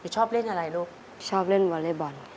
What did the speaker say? ชอบเล่นอะไรลูกชอบเล่นวอเล็กบอล